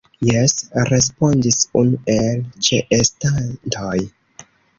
Jes, respondis unu el ĉeestantoj.